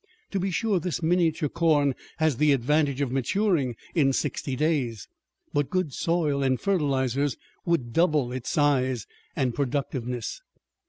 To be sure this miniature corn has the advantage of maturing in sixty days, but good soil and fertilizers would double its size and productiveness.